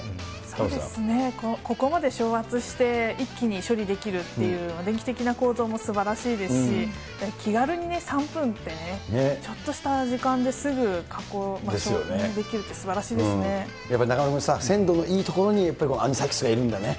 そうですね、ここまで昇圧して、一気に処理できるっていう電気的な構造もすばらしいですし、気軽に３分ってね、ちょっとした時間で、すぐ加工までできるって、やっぱり中丸君さ、鮮度のいいところにやっぱりアニサキスがいるんだね。